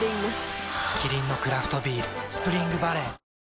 キリンのクラフトビール「スプリングバレー」